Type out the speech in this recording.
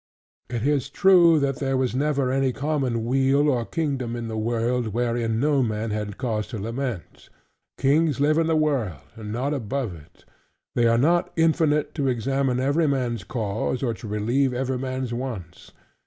It is true, that there was never any common weal or kingdom in the world, wherein no man had cause to lament. Kings live in the world, and not above it. They are not infinite to examine every man's cause, or to relieve every man's wants.